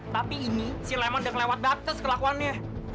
tapi ini si leman udah kelewat baptes kelakuannya